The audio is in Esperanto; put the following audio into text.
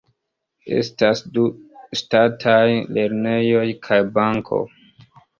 Estas du ŝtataj lernejoj kaj banko.